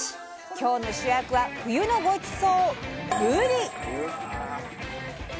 今日の主役は冬のごちそう「ぶり」！